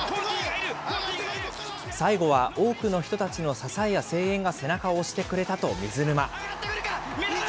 最後は多くの人たちの支えや声援が背中を押してくれたと水沼。